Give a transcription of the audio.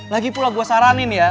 lagi pula gue saranin ya